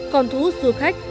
còn thu hút du khách